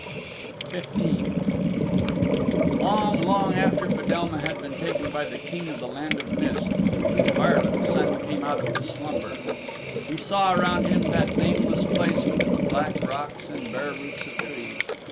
XV Long, long after Fedelma had been taken by the King of the Land of Mist the King of Ireland's Son came out of his slumber. He saw around him that nameless place with its black rocks and bare roots of trees.